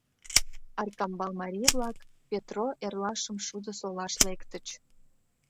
Аркамбал марий-влак Петро эрлашым шудо солаш лектыч.